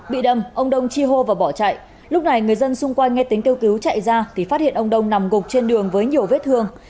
bị đâm ông đông chi hô và bỏ chạy lúc này người dân xung quanh nghe tính kêu cứu chạy ra thì phát hiện ông đông nằm gục trên đường với nhiều vết thương